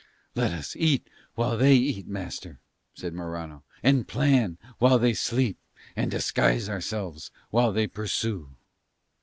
"Let us eat while they eat, master," said Morano, "and plan while they sleep, and disguise ourselves while they pursue."